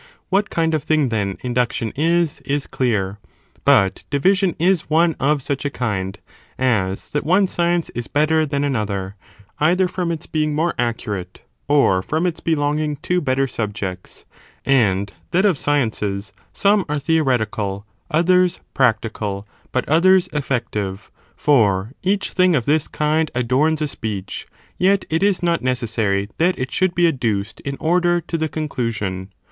What De used for kind of thing then induction is, is clear, but Whately, b. iv. division is one of such a kind, as that one science ie is better than another,' either from its being more accurate, or from its belonging to better subjects ; and that of sciences, some are theoretical, others practical, but others effective, for each thing of this kind adorns a speech, yet it is not necessary that it should be adduced, in order to the conclusion.